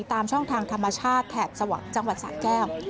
ตามช่องทางธรรมชาติแถบจังหวัดสะแก้ว